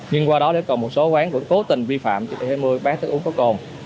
nhưng qua đó còn một số quán vẫn cố tình vi phạm chỉ thị hai mươi bán thức uống có cồn